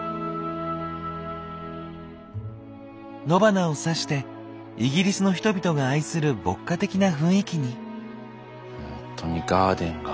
野花を挿してイギリスの人々が愛する牧歌的な雰囲気に。